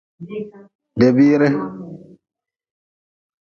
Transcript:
Debiire.